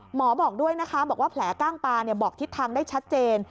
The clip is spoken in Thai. บอกด้วยนะคะบอกว่าแผลกล้างปลาบอกทิศทางได้ชัดเจน